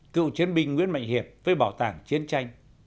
cựu chiến binh nguyễn mạnh hiệp với bảo tàng chiến tranh